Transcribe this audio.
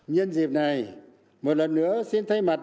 nhân dịp này một lần nữa xin thay mặt